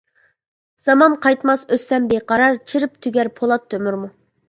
زامان قايتماس ئۆتسەم بىقارار، چىرىپ تۈگەر پولات تۆمۈرمۇ.